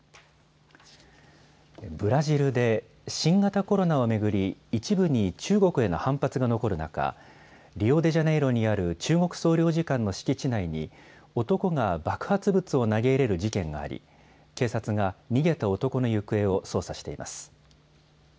ブラジルで新型コロナを巡り、一部に中国への反発が残る中、リオデジャネイロにある中国総領事館の敷地内に、男が爆発物を投げ入れる事件があり、警察が逃げた男の行方を捜査しています。